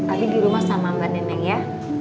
abie di rumah sama mba nenek ya